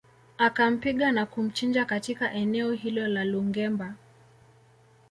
Akampiga na kumchinja katika eneo hilo la Lungemba